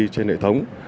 trên hệ thống